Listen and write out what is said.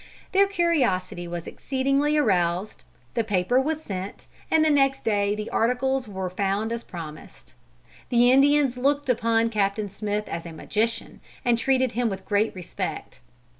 Their curiosity was exceedingly aroused; the paper was sent, and the next day the articles were found as promised. The Indians looked upon Captain Smith as a magician, and treated him with great respect.